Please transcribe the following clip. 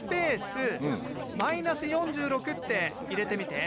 って入れてみて。